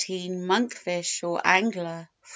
Monk fish or Angler 14.